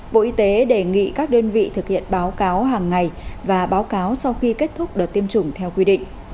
bộ y tế đề nghị các đơn vị thực hiện báo cáo hàng ngày và báo cáo sau khi kết thúc đợt tiêm chủng theo quy định